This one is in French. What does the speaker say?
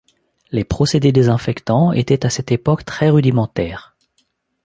Les procédés désinfectants étaient à cette époque très rudimentaires.